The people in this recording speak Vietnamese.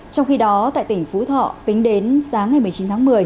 trong khi đó tại tỉnh phú thọ tính đến sáng ngày một mươi chín tháng một mươi